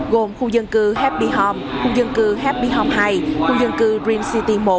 gồm khu dân cư happy home khu dân cư happy home hai khu dân cư dream city một